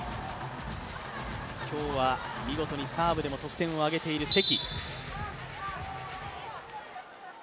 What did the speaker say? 今日は見事にサーブでも得点を挙げている関。